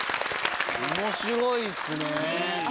・面白いですね。